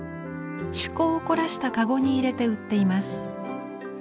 趣向を凝らしたかごに入れて売っています。